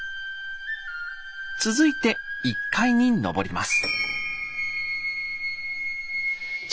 続いて１階にのぼります。